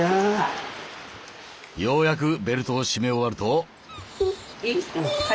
ようやくベルトを締め終わると。